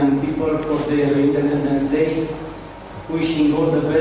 untuk hari kemampuan mereka